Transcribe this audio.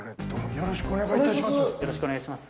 よろしくお願いします。